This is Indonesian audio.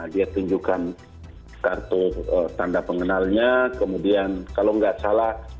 dia tunjukkan kartu tanda pengenalnya kemudian kalau nggak salah